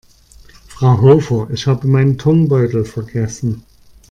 Frau Hofer, ich habe meinen Turnbeutel vergessen.